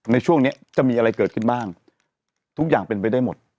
ในช่วงนี้จะมีอะไรเกิดขึ้นบ้างทุกอย่างเป็นไปได้หมด